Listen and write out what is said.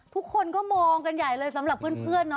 ทุกคนก็มองกันใหญ่เลยสำหรับเพื่อนเนาะ